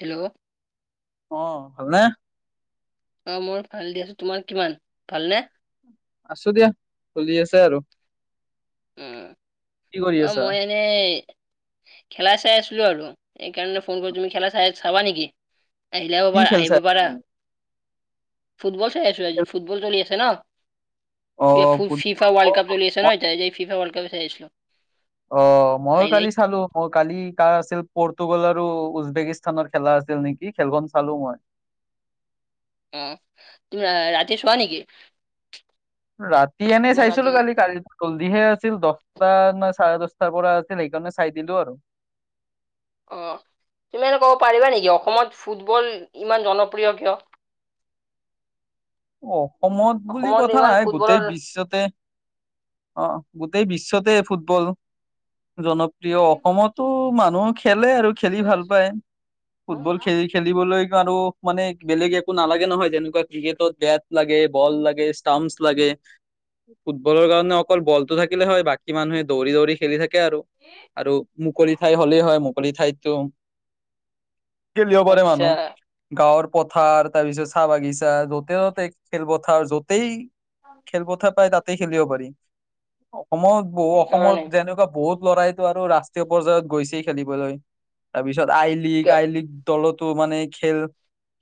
Hello? অ', ভালনে? অ', মোৰ ভাল দিয়াচোন তোমাৰ কিমান ভাল নে? আছো দিয়া চলি আছে আৰু। উম কি কৰি অ', আছা ময়ে নেই খেলা চাই আছিলোঁ আৰু সেইকাৰণে ফোন কৰিলোঁ তুমি খেলা চা-চাবা নেকি? আহিলে কি [unintelligible] খেল চাই আহিব আছা পাৰা। তুমি ফুটবল চাই আছো আজি ফুটবল চলি আছে ন' অ কি ফু ফিফা ৱৰ্ল্ড ফুটবল কাপ চলি আছে ন' এতিয়া এই যে ফিফা ৱৰ্ল্ড কাপ চাই আছিলো। অ', মইও কালি হাইলাইট চালো। অ', কালি কাৰ আছিল পৰতুগল আৰু উজবেকিস্তানৰ খেলা আছিল নেকি খেলখন চালো মই। অ', তুমি ৰা-ৰাতি চোৱা নেকি? ৰাতি এনেই ইমান ৰাতি চাইছিলো কালি কালি গ'লদিহে আছিল দহটা নে চাৰে দচটাৰ পৰা আছিল সেইকাৰণে চাই দিলো আৰু। অ', তুমি এনে ক'ব পাৰিবা নেকি অসমত ফুটবল ইমান জনপ্ৰিয় কিয়? অসমত বুলি অসমত কথা ইমান নাই গোটেই ফুটবলৰ বিশ্বতে অ', গোটেই বিশ্বতে ফুটবল জনপ্ৰিয় অসমত টো মানুহে খেলে আৰু খেলি ভাল পায়, হুম, ফুটবল খেলি খে খেলিবলৈ ইমানো মানে বেলেগ একো নালাগে নহয়, যেনেকুৱা ক্ৰিকেটত বেত লাগে, বল লাগে, ষ্টাম্পছ লাগে। ফুটবলৰ কাৰণে অকল বলতটো থাকিলে হয়, বাকী মানুহে দৌৰি দৌৰি খেলি থাক থাকে আৰু, আৰু মুকলি ঠাই হ'লেই হয় মুকলি ঠাইতো খেলিব পাৰে আচ্ছা মানুহ, গাঁওৰ পথাৰ তাৰ পিছত চাহ বাগিছা য'তে হ তে খেলপথাৰ য'তেই খেলপথাৰ পায় তাতেই খেলিব পাৰি। অসমত বহু অসমত সেইকাৰণে যেনেকুৱা বহুত ল'ৰাইতো আৰু ৰাষ্ট্ৰীয় পৰ্যায়ত গৈছেই খেলিবলৈ। তাৰপিছত আই লীগ আই লীগ দলত টো মানে খেল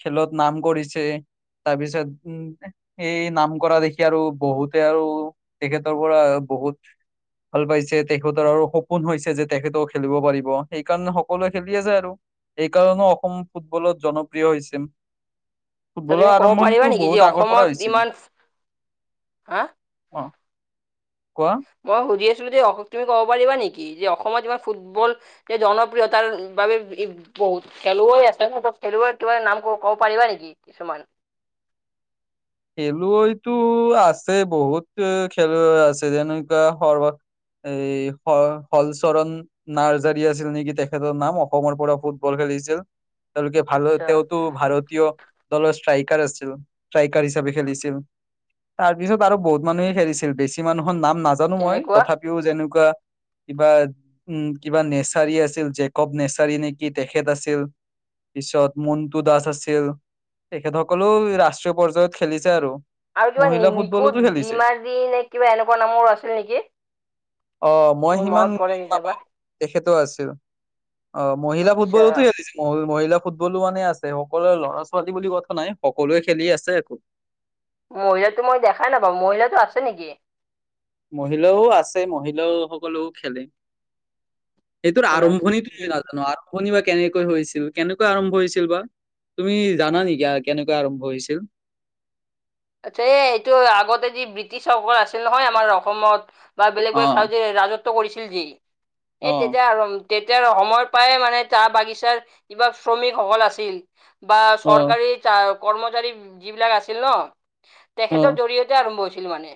খেলত নাম কৰিছে, তাৰপিছত উম সেই নাম কৰা দেখি আৰু বহুতে আৰু তেখেতৰ পৰা বহুত ভাল পাইছে, তেখেতৰ আৰু সপোন হৈছে যে তেখেতেও খেলিব পাৰিব। সেইকাৰণে সকলোৱে খেলি আছে আৰু। এই কাৰণ অসম ফুটবলত জনপ্ৰিয় হৈছেন। [inaudible] ফুটবলৰ ক'ব পাৰিবা আৰম্ভণিতো নেকি যে বহুত আগৰ পৰা অসমত হৈছিল। ইমান হা অ' কোৱা। মই সুধি আছিলো যে অস তুমি ক'ব পাৰিবা নেকি, যে অসমত ইমান ফুটবল এই জনপ্ৰিয়তাৰ বাবে বি বহুত খেলুৱৈ আছে, খেলুৱৈ তোমাৰ নাম ক কব পাৰিবা নেকি কিছুমান? খেলুৱৈটো আছে বহুত ত খেলুৱৈ আছে, যেনেকুৱা সৰবা এই হ-হল চৰণ নাৰ্জাৰী আছিল নেকি তেখেতৰ নাম অসমৰ পৰা ফুটবল খেলিছিল। তেওঁলোকে ভাল আচ্ছা তেওঁতো ভাৰতীয় দলৰ ষ্ট্ৰাইকাৰ আছিল। ষ্ট্ৰাইকাৰ হিচাপে খেলিছিল। তাৰ পিছত আৰু বহুত মানুহে খেলিছিল, বেছি মানুহৰ নাম না জানো মই, তেনেকুৱা তথাপিও যেনেকুৱা কিবা উম কিবা নেচাৰী আছিল জেকব নেচাৰী নে কি তেখেত আছিল, পিছত মন্টু দাস আছিল, তেখেতসকলেও ৰাষ্ট্ৰীয় পৰ্যায়ত খেলিছে আৰু। আৰু কিবা মহিলা নি-নিকু ফুটবলতো খেলিছে ডিমাৰ্জি নে কিবা এনেকুৱা নামৰো আছিল নেকি? অ মই মোৰ সিমান মনত পৰে নাপা কেতিয়াবা। তেখেতো আছিল। অ' মহিলা আচ্ছা ফুটবলোতো [inaudible] মহিলা ফুটবলো মানে আছে, সকলোৰে ল'ৰা ছোৱালী বুলি কথা নাই, সকলোৱে খেলি আছে আকৌ। মহিলাটো মই দেখাই নাপাওঁ, মহিলাটো আছে নেকি? মহিলাও আছে, মহিলা সকলেও খেলে। এইটোৰ সেইটো নাছিল। আৰম্ভণিটো [unintelligible] নাজানো আৰ ভনি বা কেনেকৈ হৈছিল? কেনেকৈ আৰম্ভ হৈছিল বা? তুমি জানা নেকি আ কেনেকৈ আৰম্ভ হৈছিল? আচ্ছা, এই এইটো আগতে যি ব্ৰিটিছসকল আছিল নহয় আমাৰ অসমত। বা বেলেগ অ বেলেগ ঠাই যে ৰাজত্ব কৰিছিল যি, অ এই তেতিয়া আৰ তেতিয়া সময়ৰ পৰাই মানে চাহ বাগিচাৰ কিবা শ্ৰমিকসকল আছিল বা অ চৰকাৰী চা কৰ্মচাৰী যিবিলাক আছিল ন অ তেখেতৰ জৰিয়তে আৰম্ভ হৈছিল মানে।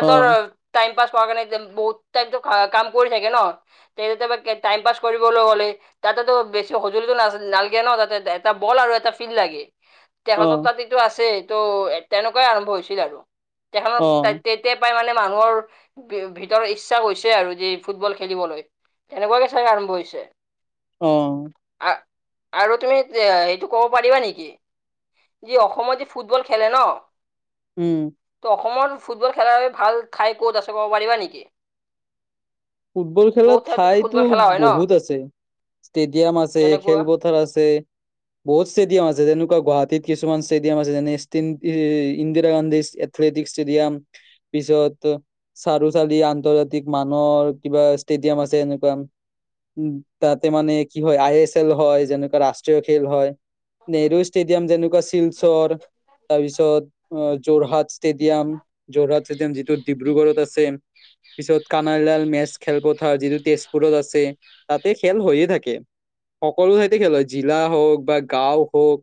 অ টাইম পাছ কৰা কাৰণে বহুত টাইমতো কাম কৰি থাকে ন তে তেতিয়াবা টাইম পাছ কৰিবলৈ হ'লে তাতেতো বেছি সঁজুলিটো না নালগে ন তাতে, এটা বল আৰু এটা ফিল্ড লাগে। অ তেখেতৰ তাত এইটো আছে টো তেনেকুৱাই আৰম্ভ হৈছিল আৰু। তেখেতৰ অ তা তেই তেতিয়া পাই মানে মানুহৰ ভিতৰ ইচ্ছা হৈছে আৰু যে ফুটবল খেলিবলৈ। তেনেকুৱাকে চাগে আৰম্ভ হৈছে। অ' আ, আৰু তুমি সেইটো ক'ব পাৰিবা নেকি? ই অসমত যি ফুটবল খেলে ন। উম অসমত ফুটবল খেলাৰ বাবে ভাল ঠাই ক'ত আছে ক'ব পাৰিবা নেকি? ফুটবল খেলাৰ বহুত ফুটবল ঠাইতো খেলা হয় ন বহুত আছে। ষ্টেডিয়াম আছে, যেনেকুৱা খেলপথাৰ আছে বহুত ষ্টেডিয়াম আছে, যেনেকুৱা গুৱাহাটীত কিছুমান ষ্টেডিয়াম আছে যেনে স্তিন ই, ইন্দিৰা গান্ধী এথলেটিক ষ্টেডিয়াম, পিছত চাৰু চালি আন্তৰ্জাতিক মানৰ কিবা ষ্টেডিয়াম আছে এনেকুৱা উম, ততে মানে কি হয় আই এছ এল হয়, যেনেকুৱা ৰাষ্ট্ৰীয় খেল হয় নেহৰু ষ্টেডিয়াম যেনেকুৱা শিলচৰ তাৰপিছত অ' যোৰহাট ষ্টেডিয়াম যোৰহাট ষ্টেডিয়াম যিটো ডিব্ৰুগড়ত আছে। পিছত কানাইলাল মেজ খেলপথাৰ, যিটো তেজপুৰত আছে। তাতে খেল হৈয়ে থাকে। সকলো ঠাইতে খেল হয়, জিলা হওক বা গাঁও হওক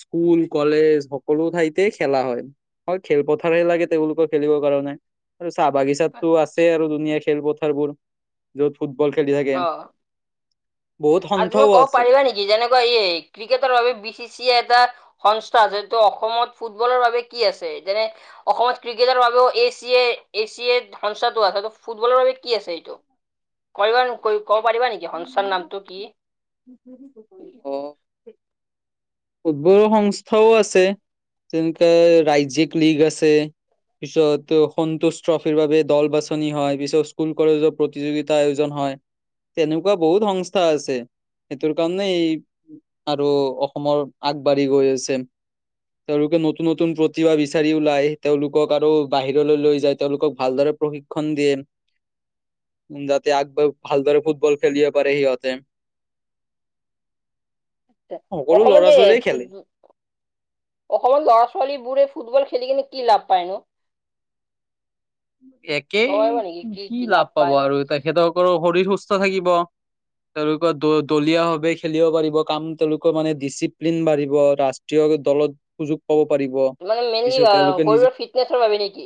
স্কুল, কলেজ সকলো ঠাইতে খেলা হয়। হয়। খেলপথাৰহে লাগে তেওঁলোকৰ খেলিবৰ কাৰণে। আৰু চাহ বাগিচা তাতো আছেই আৰু দুনিয়াৰ খেলপথাৰবোৰ। য'ত ফুটবল খেলি থাকে। অ বহুত সন্থাও আছে। যেনেকৈ এই ক্ৰিকেটৰ বাবে বি চি এ এটা সংস্থা আছে। ট' অসমত ফুটবলৰ বাবে কি আছে? যেনে অসমত ক্ৰিকেটৰ বাবেও A C A, A C A সংস্থাটো আছে। ফুটবলৰ বাবে কি আছে এইটো? কৈবা, ক'ব পাৰিবা নেকি সংস্থাৰ নামটো কি? [inaudible] ফুট বলৰ সংস্থাও আছে। তেনকে ৰাজ্যিক লিগ আছে। পিছত সন্তোষ ট্ৰফিৰ বাবে দল বাছনি হয়, পিছত স্কুল কলেজৰ প্ৰতিযোগিতা আয়োজন হয়। তেনেকুৱা বহুত সংস্থা আছে। সেইটোৰ কাৰণে এই আৰু অসমৰ আগবাঢ়ি গৈ আছে। তেওঁলোকে নতুন নতুন প্ৰতিভা বিচাৰি ওলাই, তেওঁলোকক আৰু বাহিৰলৈ লৈ যায়, তেওঁলোকক ভালদৰে প্ৰশিক্ষ ন দিয়ে। [inaudible] যাতে আগব ভালদৰে ফুটবল খেলিব পাৰে সিহঁতে। সকলো অসমত ল'ৰা এই ছোৱালীয়ে খেলে ফুটব অসমৰ ল'ৰা ছোৱালী বোৰে ফুটবল খেলি কিনে কি লাভ পায় নো? [inaudible] একেই ক'ব পাৰিবা নেকি কি লাভ পাব পায়? আৰু তেখেতসকলৰ শৰীৰ সুস্থ থাকিব। তেওঁলোকৰ দ-দলীয়া ভাৱে খেলিব পাৰিব, কাম তেওঁলোকৰ মানে ডিচিপ্লিন বাঢ়িব ৰাষ্ট্ৰী য় দলত সুযোগ পাব পাৰিব, মানে মেইনলি পিছত তেওঁলোকে নিজ [unintelligible] বাবে নে কি?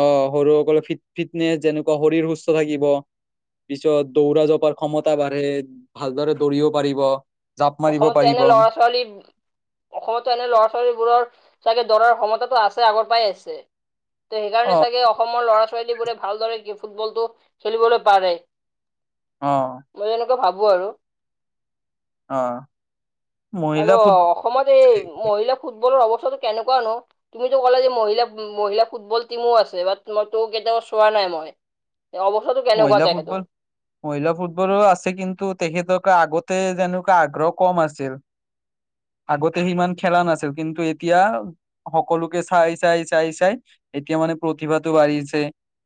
অ', সৰু সকলৰ ফিট ফিটনেচ যেনেকুৱা শৰীৰ সুস্থ থাকিব। পিছত দৌৰা জপাৰ ক্ষমতা বাঢ়ে, ভালদৰে দৌৰিব পাৰিব। জাপ মাৰিব অসমতটো পাৰিব এনে অ ল'ৰা-ছোৱালী অসমতটো এনে ল'ৰা-ছোৱালীবোৰৰ চাগে দৌৰাৰ ক্ষমতাটো আছে আগৰ পাই আছে। ত সেইকাৰণে চাগে অসমৰ লৰা ছোৱালীবোৰে ভালদৰে ফুটবলটো খেলিবলৈ পাৰে। অ'। মই এনেকৈ ভাবো আৰু। অ'। মহিলা আৰু ফুট অসমত এই মহিলা ফুটবলৰ অৱস্থাটো কেনেকুৱানো? তুমিতো ক'লো যে মহিলা মহিলা ফুটবল টিমো আছে বাট মই তোৰ কেতিয়াও চোৱা নাই মই। এ অৱস্থাটো কেনেকুৱা মহিলা তেখেতৰ? ফুটবল মহিলা ফুটবলৰো আছে কিন্তু তেখেতৰ আগতে যেনেকুৱা আগ্ৰহ কম আছিল। [inaudible] আগতে সিমান খেলা নাছিল কিন্তু এতিয়া সকলোকে চাই চাই চাই চাই এতিয়া মানে প্ৰতিভাতো বাঢ়িছে।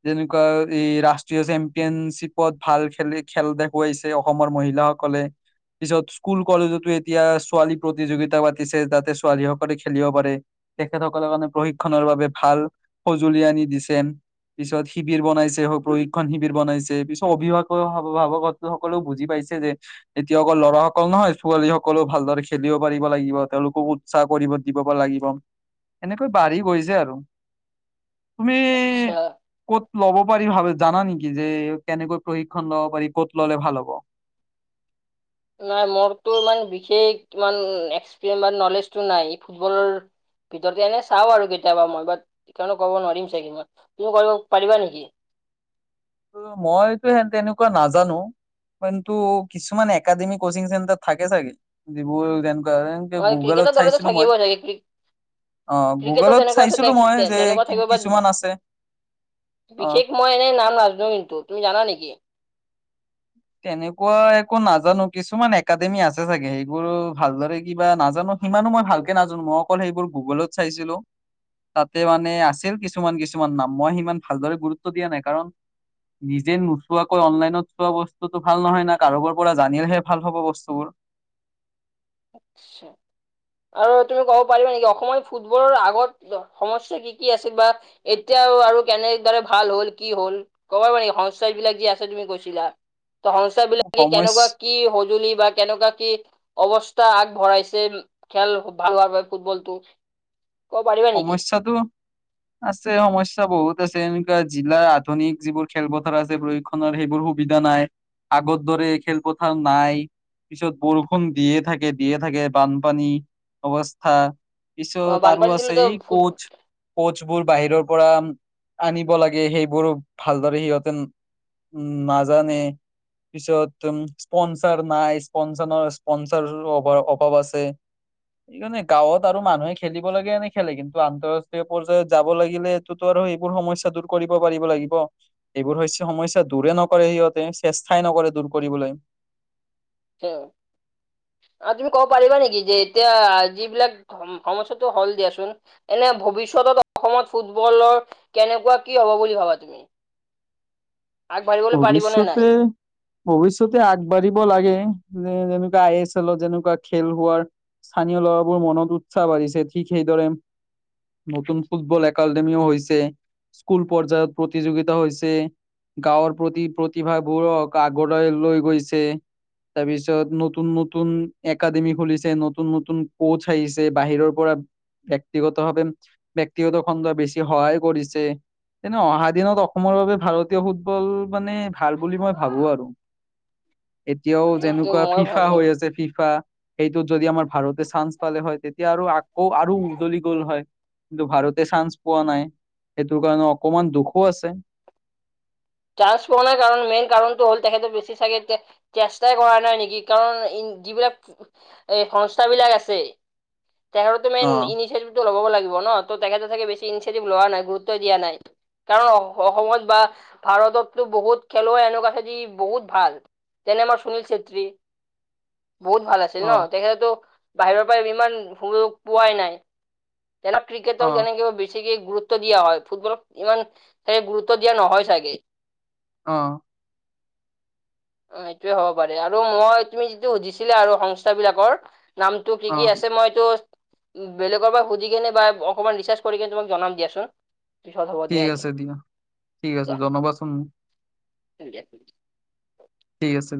যেনেকুৱা এই ৰা ষ্টীয় চেম্পিয়নশ্বিপত ভাল খ খেল দেখুৱাইছে অসমৰ মহিলাসকলে। পিছত স্কুল কলেজতো এতিয়া ছোৱালী প্ৰতিযোগিতা পাতিছে তাতে ছোৱালী সকলে খেলিব পাৰে। তেখেতসকলে মানে প্ৰশিক্ষণৰ বাবে ভাল সজুলি আনি দিছে। পিছত শিবিৰ বনাইছে প্ৰয়োগ প্ৰশিক্ষণ শিবিৰ বনাইছে পিছত অভিভাৱক অভাৱকত সকলেও বুজি পাইছে যে এতিয়া অকল ল'ৰাসকল নহয় ছোৱালী সকলেও ভালদৰে খেলিব পাৰিব লাগিব তেওঁলোকো চাকৰিব দিব লাগিব এনেকৈ বাঢ়ি গৈছে আৰু। তুমি আচ্ছা। ক'ত ল'ব পাৰি ভা জানা নেকি যে, কেনেকৈ প্ৰশিক্ষন লব পাৰি ক'ত ল'লে ভাল হ'ব? নাই মোৰতো ইমান বিশেষ ইমান এক্সপিৰিয়েঞ্চ বা নলেজটো নাই ফুটবল ভিতৰতে এনে চাওঁ আৰু কেতিয়াবা মই বাট সেইকাৰণে কব নোৱাৰিম চাগে মই। তুমি কৰিব পাৰিবা নেকি? মইতো সেন তেনেকুৱা নাজানো। কিন্তু কিছুমান একাডেমি কচিং চেণ্টাৰ থাকে চাগে যিবোৰ যে এনেকে অ' গুগলত ক্ৰিকেটৰ দৰেতো চাইছিলো মই। থাকিবই চাগে ক্ৰিকেট অ ক্ৰিকেটো গুগলত তেনেকুৱা আছে চাইছিলো মই যে তেনেকুৱা থাকিব বাট কিছুমান আছে। অ বিশেষ মই এনে নাম নাজনো কিন্তু তুমি জানা নেকি? তেনেকুৱা একো নাজানো কিছুমান একাডেমি আছে চাগে সেইবোৰ ভালদৰে কিবা নাজানো সিমানো মই ভালকে নাজানো মই অকল সেইবোৰ গুগলত চাইছিলো। তাতে মানে আছিল কিছুমান কিছুমান নাম মই সিমান ভালদৰে গুৰুত্ব দিয়া নাই কাৰণ নিজে নোচোৱাকৈ অনলাইনত চোৱা ব স্তুতো ভাল নহয় না কাৰোবোৰ পৰা জানিলেহে ভাল হ'ব বস্তুবোৰ। আচ্ছা আৰু তুমি কব পাৰিবা নেকি অসমৰ ফুটবলৰ আগত সমস্যা কি কি আছিল বা এতিয়া আৰু কেনেদৰে ভাল হ'ল কি হ'ল? ক'ব পাৰিবা সংচাই বিলাক যি আছে তুমি কৈছিলা। ত সংসাৰ বিলাকে কেনেকুৱা সমস্যা কি সজুলি বা কেনেকুৱা কি অৱ স্থা আগ বঢ়াইছে খেল ভাল বাবে ফুটবলটো ক'ব পাৰিবা নেকি? সমস্যাটো [inaudible] আছে সমস্যা বহুত আছে এনেকুৱা জিলাৰ আধুনিক যিবোৰ খেলপথাৰ আছে সুবিধা নাই আগৰ দৰে খেলপথাৰ নাই। পিছত বৰষুণ দিয়ে থাকে দিয়ে থাকে বানপানী অৱস্থা। অ পিছত আৰু বানপানী আছে দিলেতো এই কোচ ফুট কোচ বোৰ বাহিৰৰ পৰা। আনিব লাগে সেইবোৰো ভালদৰে সিহঁতে নাজানে। পিছত তোম স্পনচাৰ নাই স্পনচাৰৰ স্পনচাৰ অভাৱ অভাৱ আছে। সেইকাৰণে গাঁৱত আৰু মানুহে খেলিব লাগে নেকি? খেলে কিন্তু আন্তৰাষ্ট্ৰীয় পৰ্যায়ত যাব লাগিলে এইটোতো আৰু এইবোৰ সমস্যা দূৰ কৰিব পাৰিব লাগিব। এইবোৰ হৈছে সমস্যা দূৰে নকৰে সিহঁতে চেষ্টাই নকৰে দূৰ কৰিবলৈ। হ আৰু তুমি ক'ব পাৰিবা নেকি যে এতিয়া যিবিলাক সমস্যাটো হল দিয়াছোন। এনে ভৱিষ্যতত অসমত ফুটবলৰ কেনেকুৱা কি হব বুলি ভাবা তুমি? আগবাঢ়িবলৈ পাৰিব নে নাই? ভৱিষ্যতে ভৱিষ্যতে আগবাঢ়িব লাগে যে যেনেকুৱা আই এছ হল যেনেকুৱা খেল হোৱাৰ স্থানীয় ল'ৰাবোৰৰ মনত উৎসাহ বাঢ়িছে ঠিক সেইদৰে নতুন ফুটবল একাডেমিও হৈছে। স্কুল পৰ্যায়ত প্ৰতিযোগিতা হৈছে গাঁৱৰ প্ৰতি প্ৰতিভাবোৰক আগৰলৈ লৈ গৈছে। তাৰপিছত নতুন নতুন একাডেমি খুলিছে নতুন নতুন কোচ আহিছে বাহিৰৰ পৰা। ব্যক্তিগত ভাৱে ব্যক্তিগত খণ্ড বেছি সহায়ো কৰিছে। তেনে অহা দিনত অসমৰ ভাৰতীয় ফুটবল মানে ভাল বুলি মই ভাবো আৰু। এতিয়াও কিন্তু যেনেকুৱা মই ফিফা ভাবো হৈ আছে ফিফা। সেইটোত যদি আমাৰ ভাৰতে চান্স পালে হয় তেতিয়া আৰু আকৌ আৰু উজ্বলি গ'ল হয়। কিন্তু ভাৰতে চান্স পোৱা নাই সেইটো কাৰণে অকমান দুখো আছে। চান্স পোৱা নাই কাৰণ মেইন কাৰণতটো হ'ল তেখেততে বেছি চাগে তেতিয়া চেষ্টাই কৰা নাই নেকি কাৰণ যিবিলাক এ সংস্থা বিলাক আছে। তেখেতো অ। মেইন ইনিচিয়েটিভটো ল'ব লাগিব ন তেখেতেে বেছি ইনিচিয়েটিভ লোৱা নাই গুৰুত্ব দিয়া নাই। কাৰণ অসমত বা ভাৰততো বহুত খেলুৱৈ এনেকুৱা আছে যি বহুত ভাল। তেনে আমাৰ সুনীল চেত্ৰী বহুত ভাল আ আছিল অ ন তেখেতো বাহিৰৰ পৰা ইমান সুযোগ পোৱাই নাই। তেনে অ ক্ৰিকেতটৰ যেনে বেছিকে গুৰুত্ব দিয়া হয়। ফুটবলক ইমান চাগে গুৰুত্ব দিয়া নহয় চাগে। অ'। অ', এইটোয়ে হ'ব পাৰে, আৰু মই তুমি যিটো সুধিছিলা আৰু সংস্থা বিলাকৰ নামটো কি অ কি আছে মইতো এইটো বেলেগৰ পৰা সুধি কেনে বা অকণমান ৰিচাৰ্জ কৰি কিনে তোমাক জনাম দিয়াচোন। পিছত হ'ব ঠিক আজি আছে দিয়া, ঠিক আছে জনাবাচোন মোক। [inaudible] ঠিক আছে।